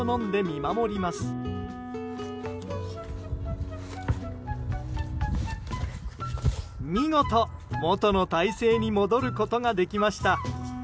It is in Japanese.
見事、元の体勢に戻ることができました。